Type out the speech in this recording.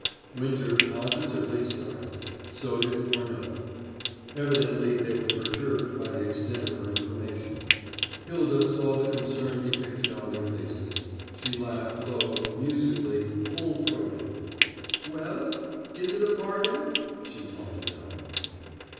Winter positively started. So did Furneaux. Evidently they were perturbed by the extent of her information. Hylda saw the concern depicted on their faces; she laughed low, musically, full throated. "Well, is it a bargain?" she taunted them.